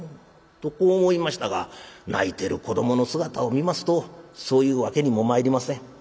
とこう思いましたが泣いてる子どもの姿を見ますとそういうわけにもまいりません。